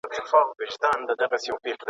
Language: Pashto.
معلم وویل که چیري داسي وسي ..